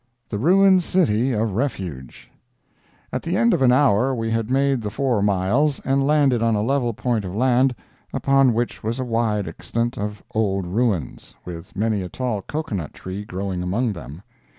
THE RUINED CITY OF REFUGE At the end of an hour we had made the four miles, and landed on a level point of land, upon which was a wide extent of old ruins, with many a tall cocoa nut tree growing among them.